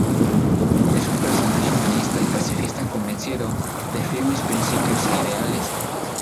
Es un personaje humanista y pacifista convencido, de firmes principios e ideales.